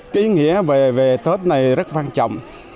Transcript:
ký nghĩa về tết này rất quan trọng